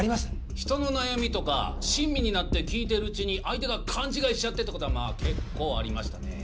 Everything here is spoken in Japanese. ひとの悩みとか親身になって聞いてるうちに相手が勘違いしちゃってってことはまぁ結構ありましたね。